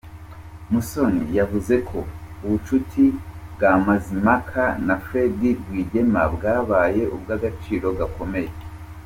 Musoni yavuze ko ubucuti bwa Mazimhaka na Fred Rwigema bwabaye ubw’agaciro gakomeye.